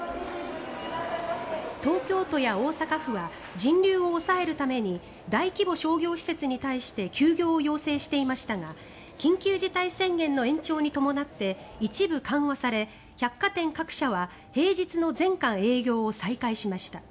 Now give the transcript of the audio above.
東京都や大阪府は人流を抑えるために大規模商業施設に対して休業を要請していましたが緊急事態宣言の延長に伴って一部緩和され百貨店各社は平日の全館営業を再開しました。